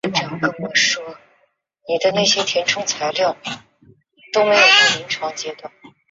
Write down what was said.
舍米耶。